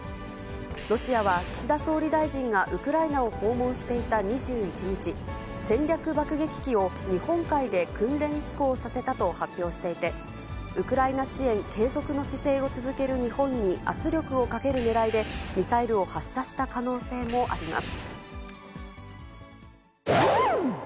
ロシアは岸田総理大臣がウクライナを訪問していた２１日、戦略爆撃機を日本海で訓練飛行させたと発表していて、ウクライナ支援継続の姿勢を続ける日本に圧力をかけるねらいで、ミサイルを発射した可能性もあります。